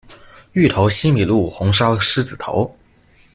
芋頭西米露，紅燒獅子頭